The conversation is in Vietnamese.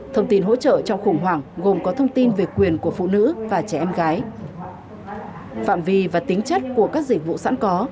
thông tin hỗ trợ trong khủng hoảng gồm có thông tin về quyền của phụ nữ và trẻ em gái phạm vi và tính chất của các dịch vụ sẵn có